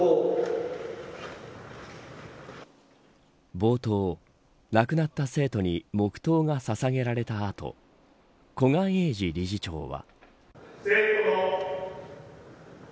冒頭、亡くなった生徒に黙とうがささげられた後古賀英次理事長は。